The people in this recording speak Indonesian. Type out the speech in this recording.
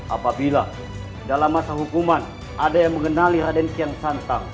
apabila dalam masa hukuman ada yang mengenali radensi yang santang